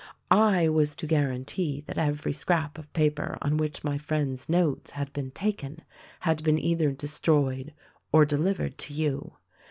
I was to guarantee that every scrap of paper on which my friend's notes had been taken, had been either destroyed or delivered to you.